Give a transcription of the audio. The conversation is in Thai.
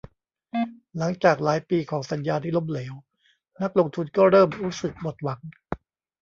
หลังจากหลายปีของสัญญาที่ล้มเหลว นักลงทุนก็เริ่มรู้สึกหมดหวัง